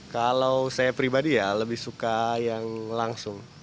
kalau saya pribadi ya lebih suka yang langsung